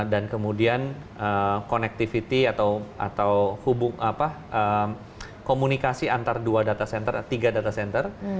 dan kemudian connectivity atau hubung komunikasi antara dua data center tiga data center